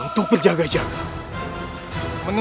ayuh cepat antarkan aku